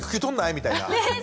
みたいな。ね！